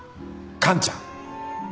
カンちゃん？